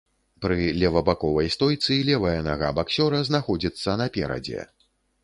Пры левабаковай стойцы левая нага баксёра знаходзіцца наперадзе.